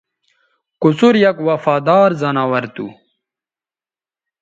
کوڅر یک وفادار زناور تھو